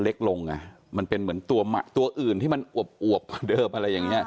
เล็กลงอ่ะมันเป็นเหมือนตัวอื่นที่มันอวบกว่าเดิมอะไรอย่างเงี้